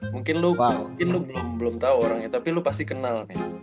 mungkin lo belum tau orangnya tapi lo pasti kenal nih